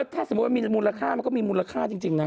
ถ้าสมมุติมันมีมูลค่ามันก็มีมูลค่าจริงนะ